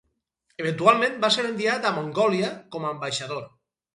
Eventualment va ser enviat a Mongòlia com a ambaixador.